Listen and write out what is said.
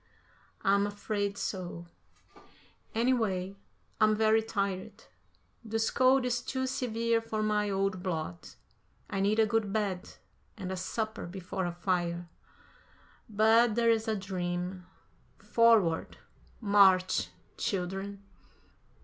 "I'm afraid so; anyway, I'm very tired. This cold is too severe for my old blood. I need a good bed and a supper before a fire. But that's a dream. Forward! March! Children."